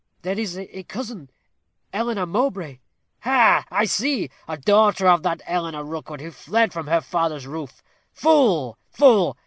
"There is a cousin, Eleanor Mowbray." "Ha! I see; a daughter of that Eleanor Rookwood who fled from her father's roof. Fool, fool.